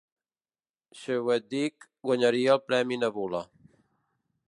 Chwedyk guanyaria el premi Nebula.